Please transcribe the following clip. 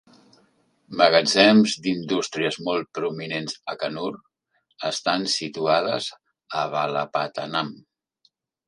Magatzems d'indústries molt prominents a Kannur estan situades a Valapattanam.